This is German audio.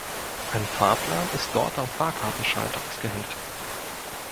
Ein Fahrplan ist dort am Fahrkartenschalter ausgehängt.